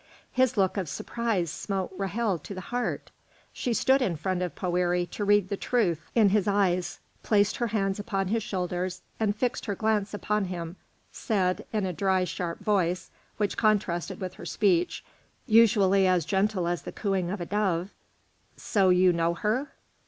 His look of surprise smote Ra'hel to the heart. She stood in front of Poëri to read the truth in his eyes, placed her hands upon his shoulders, and fixing her glance upon him, said, in a dry, sharp voice which contrasted with her speech, usually as gentle as the cooing of a dove, "So you know her?"